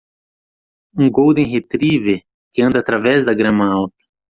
Um golden retriever que anda através da grama alta.